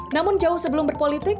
namun jauh sebelum berpolitik